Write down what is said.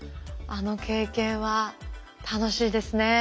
あの経験は楽しいですね。